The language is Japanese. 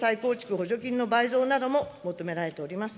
補助金の倍増なども求められております。